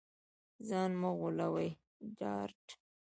ځان مه غولوې ډارت